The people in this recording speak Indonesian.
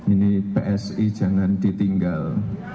ini psi jangan ditinggal